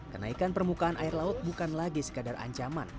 kenaikan permukaan air laut bukan lagi sekadar ancaman